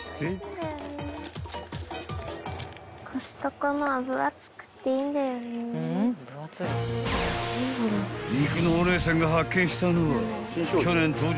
［肉のお姉さんが発見したのは去年登場した］